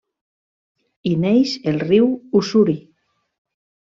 Hi neix el riu Ussuri.